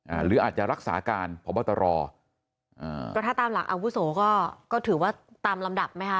หรืออาจจะรักษาการพบตรอ่าก็ถ้าตามหลักอาวุโสก็ก็ถือว่าตามลำดับไหมคะ